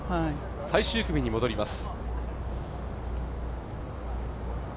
最終組に戻ります。